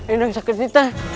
ini yang sakitnya teteh